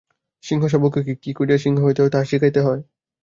সিংহ-শাবককে কি, কী করিয়া সিংহ হইতে হয় তাহা শিখাইতে হয়?